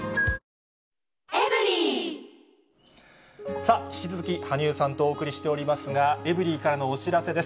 さあ、引き続き羽生さんとお送りしておりますが、エブリィからのお知らせです。